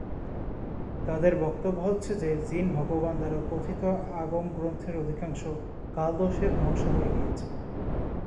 তাদের বক্তব্য হচ্ছে যে, জিন ভগবান দ্বারা কথিত আগম গ্রন্থের অধিকাংশ কাল-দোষে ধ্বংস হয়ে গিয়েছে।